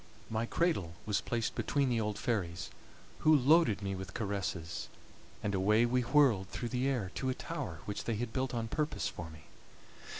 My cradle was placed between the old fairies, who loaded me with caresses, and away we whirled through the air to a tower which they had built on purpose for me.